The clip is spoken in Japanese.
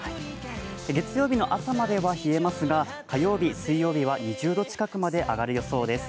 月曜日の朝までは冷えますが火曜日、水曜日は２０度近くまで上がる予想です。